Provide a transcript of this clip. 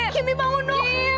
kimi bangun dong